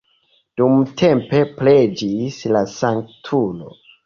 Dumtempe preĝis la sanktulo.